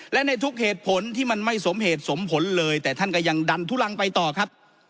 และในทุกเหตุผลที่มันไม่สมเหตุสมผลเลยแต่ท่านก็ยังดันทุลังไปต่อครับ